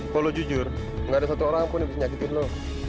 kalau lo jujur nggak ada satu orang pun yang penyakit lo